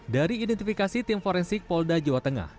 dari identifikasi tim forensik polda jawa tengah